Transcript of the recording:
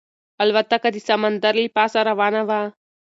الوتکه د سمندر له پاسه روانه وه.